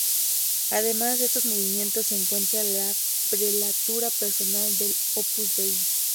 Además de estos movimientos, se encuentra la prelatura personal del Opus Dei.